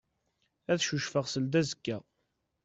Ad cucfeɣ seldazekka.